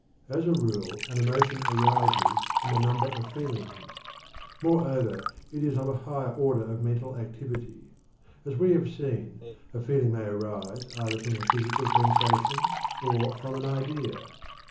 As a rule an emotion arises from a number of feelings. Moreover, it is of a higher order of mental activity. As we have seen, a feeling may arise either from a physical sensation or from an idea.